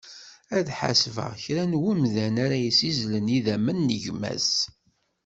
Ad ḥasbeɣ kra n umdan ara yessizzlen idammen n gma-s.